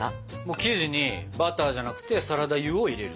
生地にバターじゃなくてサラダ油を入れる！